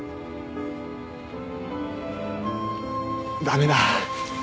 駄目だ。